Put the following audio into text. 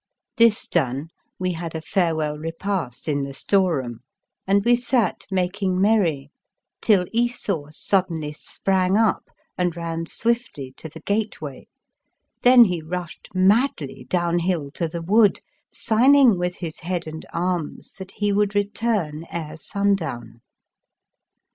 This done, we had a farewell repast in the store room, and we sat making merry till Esau sudden ly sprang up and ran swiftly to the gateway; then he rushed madly down hill to the wood, signing with his head and arms that he would return ere sun down.